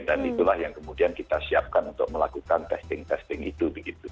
dan itulah yang kemudian kita siapkan untuk melakukan testing testing itu